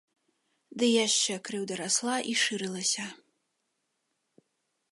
Ды яшчэ крыўда расла і шырылася.